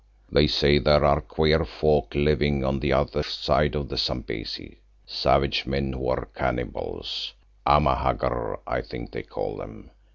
They say there are queer folk living on the other side of the Zambesi, savage men who are cannibals, Amahagger I think they call them.